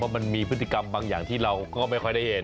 มันมีพฤติกรรมบางอย่างที่เราก็ไม่ค่อยได้เห็น